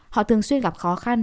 họ thường xuyên gặp khó khăn